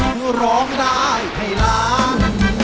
คือร้องได้ให้ล้าน